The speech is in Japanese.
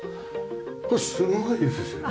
これすごいですよね。